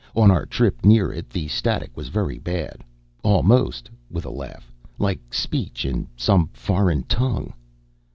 On our trip near it the static was very bad. Almost," with a laugh, "like speech in some foreign tongue."